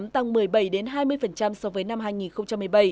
tăng một mươi bảy hai mươi so với năm hai nghìn một mươi bảy